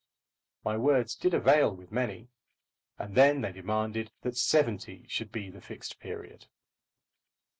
My words did avail with many, and then they demanded that seventy should be the Fixed Period.